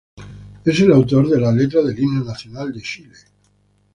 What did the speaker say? Es el autor de la letra del himno nacional de Chile.